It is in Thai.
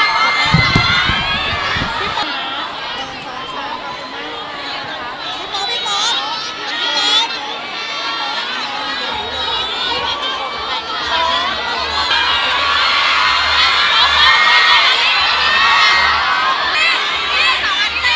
ขอบคุณค่ะ